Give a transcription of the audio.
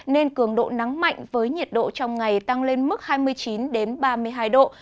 nên cường độ nắng mạnh với nhiệt độ trong ngày tăng lên mức hai mươi chín ba mươi hai độ